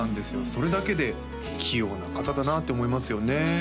それだけで器用な方だなって思いますよね